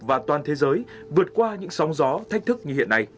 và toàn thế giới vượt qua những sóng gió thách thức như hiện nay